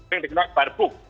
yang digunakan barbuk